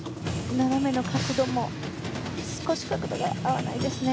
斜めの角度も少し角度が合わないですね。